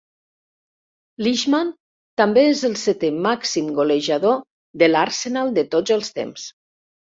Lishman també és el setè màxim golejador de l'Arsenal de tots els temps.